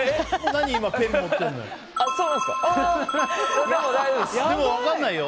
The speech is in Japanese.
何、今ペン持ってるのよ。